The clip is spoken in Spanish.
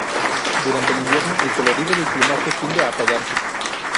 Durante el invierno el colorido del plumaje tiende a apagarse.